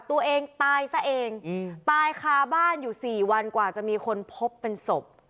ตัวเองตายซะเองตายคาบ้านอยู่๔วันกว่าจะมีคนพบเป็นศพ